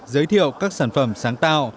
giới thiệu các sản phẩm sáng tạo